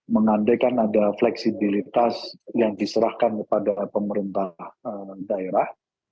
mengandaikan ada fleksibilitas yang diserahkan kepada pemerintah daerah